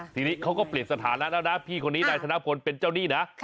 ทีนี้เขาก็เปลี่ยนสถานะแล้วนะพี่คนนี้นายธนพลเป็นเจ้าหนี้นะ